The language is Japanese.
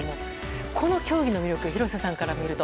この競技の魅力廣瀬さんから見ると？